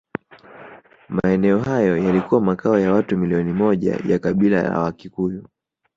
Maeneo hayo yalikuwa makao ya watu milioni moja wa kabila la Wakikuyu